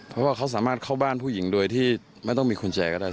เพราะว่าเขาสามารถเข้าบ้านผู้หญิงโดยที่ไม่ต้องมีกุญแจก็ได้